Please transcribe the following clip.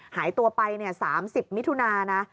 หายตัวไป๓๐มิถุนานะ